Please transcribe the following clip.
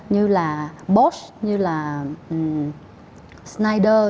như là bosch như là schneider